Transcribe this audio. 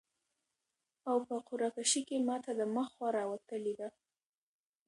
او په قرعه کشي کي ماته د مخ خوا راوتلي ده